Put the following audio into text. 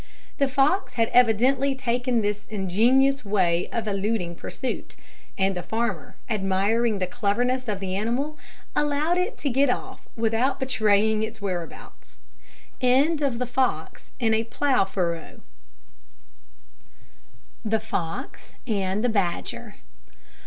The fox had evidently taken this ingenious way of eluding pursuit; and the farmer, admiring the cleverness of the animal, allowed it to get off without betraying its whereabouts. THE FOX AND THE BADGER.